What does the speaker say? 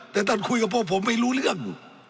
แต่ท่านคุยกับพวกผมไม่รู้เรื่อง